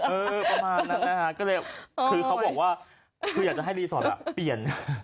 ประมาณนั้นนะฮะก็เลยคือเขาบอกว่าคืออยากจะให้รีสอร์ทเปลี่ยน